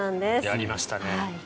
やりましたね。